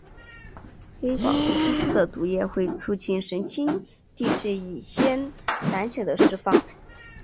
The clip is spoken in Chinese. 黑寡妇蜘蛛的毒液会促进神经递质乙酰胆碱的释放。